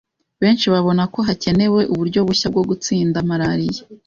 Benshi babona ko hakenewe uburyo bushya bwo gutsinda malaria.